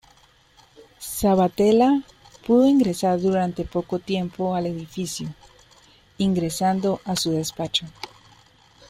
Sabbatella pudo ingresar durante poco tiempo al edificio, ingresando a su despacho.